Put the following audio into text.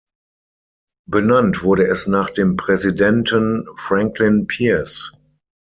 Benannt wurde es nach dem Präsidenten Franklin Pierce.